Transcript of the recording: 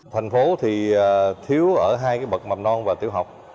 thành phố thì thiếu ở hai cái bậc mầm non và tiểu học